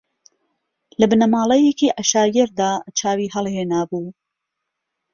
لە بنەماڵەیەکی عەشایەردا چاوی ھەڵھێنابوو